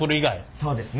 そうですね。